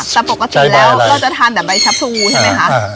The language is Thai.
แต่ปกติแล้วเราจะทานแต่ใบชะพรูใช่ไหมคะ